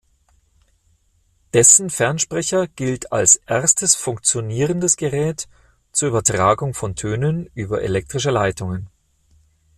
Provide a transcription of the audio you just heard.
Dessen Fernsprecher gilt als erstes funktionierendes Gerät zur Übertragung von Tönen über elektrische Leitungen.